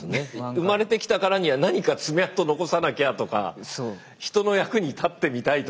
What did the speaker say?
生まれてきたからには何か爪痕残さなきゃとか人の役に立ってみたいとか。